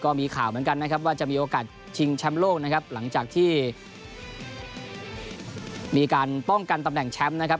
ก็มีข่าวเหมือนกันนะครับว่าจะมีโอกาสชิงแชมป์โลกนะครับหลังจากที่มีการป้องกันตำแหน่งแชมป์นะครับ